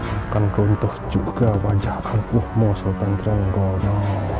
akan kerentuk juga wajahkan pluhmo sultan trenggolo